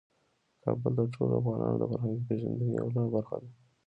کابل د ټولو افغانانو د فرهنګي پیژندنې یوه لویه برخه ده.